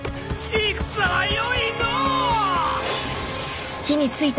戦は良いのう！